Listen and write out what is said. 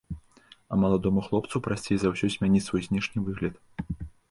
А маладому хлопцу прасцей за ўсё змяніць свой знешні выгляд.